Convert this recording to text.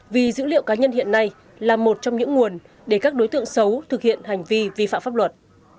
vì dữ liệu cá nhân hiện nay là một trong những nguồn để các đối tượng xấu thực hiện hành vi vi phạm pháp luật